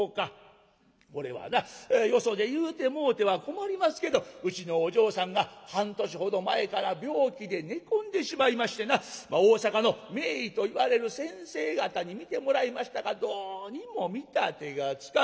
これはなよそで言うてもうては困りますけどうちのお嬢さんが半年ほど前から病気で寝込んでしまいましてな大坂の名医といわれる先生方に診てもらいましたがどうにも見立てがつかん。